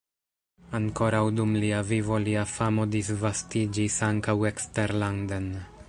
Ankoraŭ dum lia vivo lia famo disvastiĝis ankaŭ eksterlanden.